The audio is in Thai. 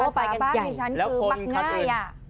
ฝาบ้านดิฉันคือมักง่าย